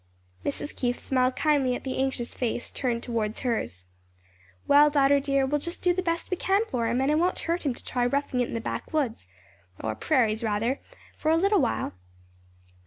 Mrs. Keith smiled kindly at the anxious face turned toward hers. "Well, daughter dear, we'll just do the best we can for him and it won't hurt him to try roughing it in the backwoods or prairies rather for a little while."